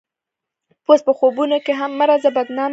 اوس په خوبونو کښې هم مه راځه بدنامه به شې